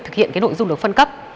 thực hiện cái nội dung được phân cấp